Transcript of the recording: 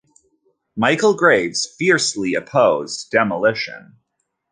Michael Graves fiercely opposed demolition.